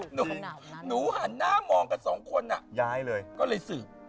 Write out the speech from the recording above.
หนูหันหน้ามองกันสองคนอ่ะย้ายเลยก็เลยสืบ